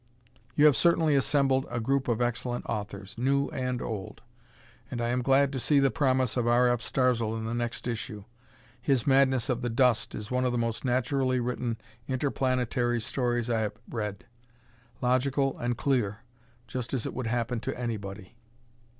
You have certainly assembled a group of excellent authors, new and old, and I am glad to see the promise of R. F. Starzl in the next issue. His "Madness of the Dust" is one of the most naturally written interplanetary stories I have read logical and clear, just as it would happen to anybody.